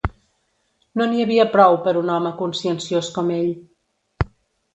No n'hi havia prou per un home conscienciós com ell